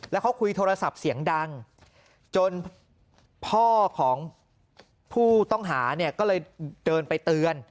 แล้วเขาคุยโทรศัพท์เสียงดังจนพ่อของผู้ต้องหาเนี่ยก็เลยเดินไปเตือน